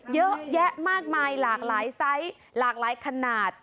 เยอะแยะมากมายหลากหลายไซส์หลากหลายขนาด